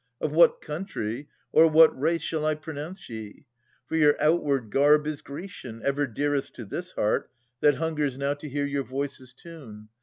Of what country or what race Shall I pronounce ye ? For your outward garb Is Grecian, ever dearest to this heart That hungers now to hear your voices' tune.